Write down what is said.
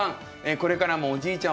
これからもおじいちゃん